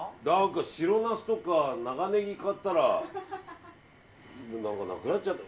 白ナスとか長ネギ買ったらなくなっちゃって。